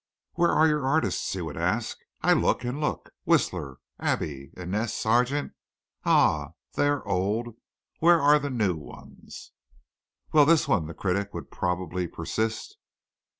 "Where are your artists?" he would ask. "I look and look. Whistler, Abbey, Inness, Sargent ah they are old, where are the new ones?" "Well, this one" the critic would probably persist.